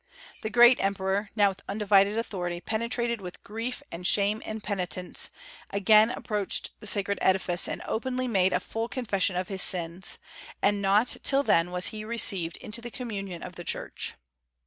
The great emperor, now with undivided authority, penetrated with grief and shame and penitence, again approached the sacred edifice, and openly made a full confession of his sins; and not till then was he received into the communion of the Church.